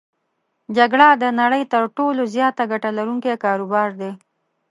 جګړه د نړی تر ټولو زیاته ګټه لرونکی کاروبار دی.